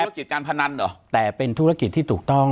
ปากกับภาคภูมิ